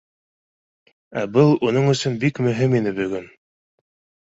Ә был үның өсөн бик мөһим ине бөгөн